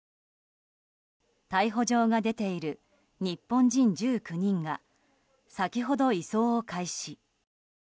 逮捕状が出ている日本人１９人が先ほど移送を開始。